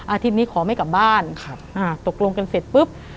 อาทิตย์นี้ขอไม่กลับบ้านตกลงกันเสร็จปุ๊บ